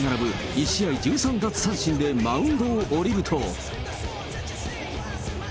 １試合１３奪三振でマウンドを降りると。